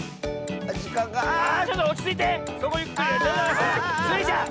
あ！スイちゃん！